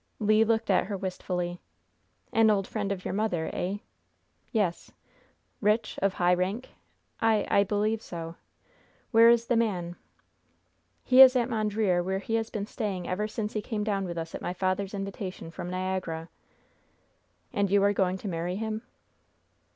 Le looked at her wistfully. "An old friend of your mother, eh?" "Yes." "Rich? Of high rank?" "I I believe so." "Where is the man?" "He is here at Mondreer, where he has been staying ever since he came down with us at my father's invitation from Niagara." "And you are going to marry him?"